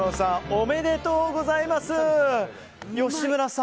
おめでとうございます。